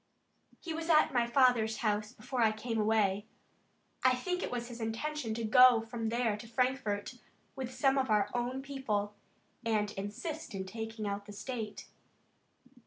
"He was at my father's house before I came away. I think it was his intention to go from there to Frankfort with some of our own people, and assist in taking out the state."